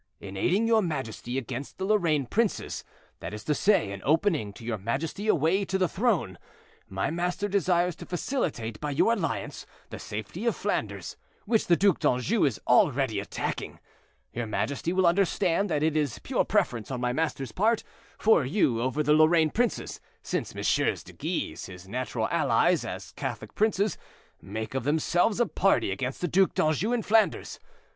"In aiding your majesty against the Lorraine princes, that is to say, in opening to your majesty a way to the throne, my master desires to facilitate by your alliance the safety of Flanders, which the Duc d'Anjou is already attacking; your majesty will understand that it is pure preference on my master's part for you over the Lorraine princes, since MM. de Guise, his natural allies, as Catholic princes, make of themselves a party against the Duc d'Anjou in Flanders.